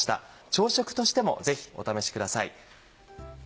朝食としてもぜひお試しください。